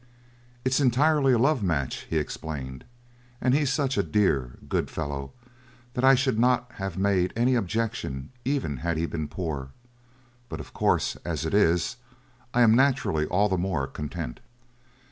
"It is entirely a love match," he explained, "and he is such a dear, good fellow, that I should not have made any objection even had he been poor. But, of course, as it is, I am naturally all the more content."